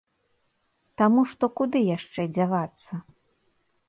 Таму што куды яшчэ дзявацца?